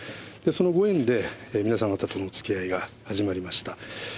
そのご縁で、皆さん方とのおつきあいが始まりました。